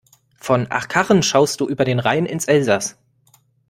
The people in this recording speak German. Von Achkarren schaust du über den Rhein ins Elsass.